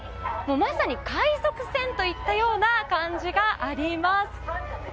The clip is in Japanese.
まさに海賊船といったような感じがあります。